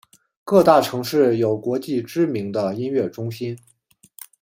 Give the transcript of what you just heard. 各大城市有国际知名的音乐中心。